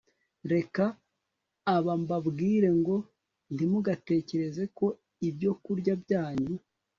Reka aba mbabwire ngo Ntimugatekereze ko ibyokurya byanyu